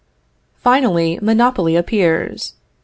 Finally, monopoly appears.